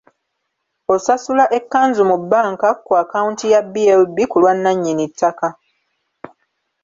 Osasula ekkanzu mu bbanka ku akawunti ya BLB ku lwa nannyini ttaka.